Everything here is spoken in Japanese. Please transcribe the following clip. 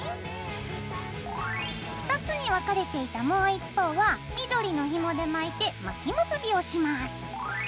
２つに分かれていたもう一方は緑のひもで巻いて巻き結びをします。